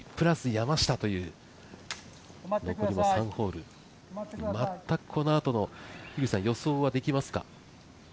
山下という残りは３ホール、全くこのあとの予想はできますか？